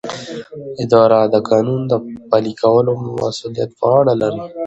اداره د قانون د پلي کولو مسؤلیت پر غاړه لري.